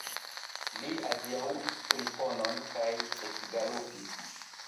Li adiaŭis Trifonon kaj ekgalopis.